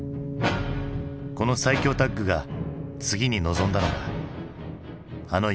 この最強タッグが次に臨んだのがあのＵＦＯ